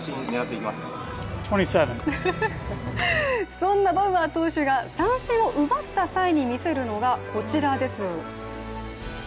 そんなバウアー投手が三振を奪った際に見せるのが、こちらです。